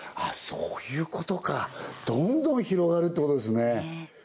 そういうことかどんどん広がるってことですね